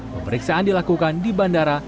pemeriksaan dilakukan di bandara